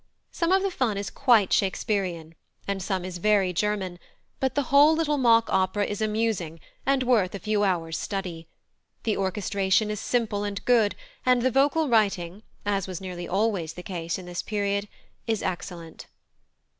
Some of the fun is quite Shakespearian, and some is very German, but the whole little mock opera is amusing and worth a few hours' study. The orchestration is simple and good, and the vocal writing, as was nearly always the case in this period, is excellent.